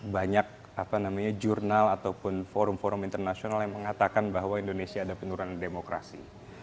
banyak jurnal ataupun forum forum internasional yang mengatakan bahwa indonesia ada penurunan demokrasi